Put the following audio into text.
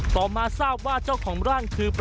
ต่อมาทราบว่าเจ้าของร่างคือ